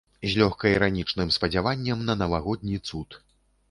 З лёгка-іранічным спадзяваннем на навагодні цуд.